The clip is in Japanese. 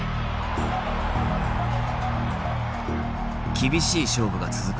厳しい勝負が続く